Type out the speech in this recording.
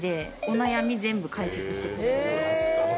お悩み全部解決してくれる。